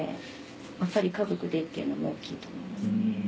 やっぱり家族でっていうのも大きいと思いますね。